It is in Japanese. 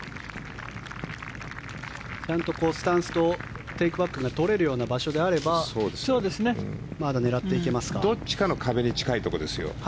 ちゃんとスタンスとテイクバックが取れるような場所であればどっちかの壁に近いところですよ